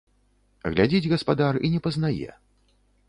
Глядзіць гаспадар і не пазнае.